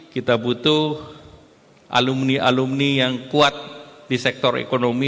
kita butuh alumni alumni yang kuat di sektor ekonomi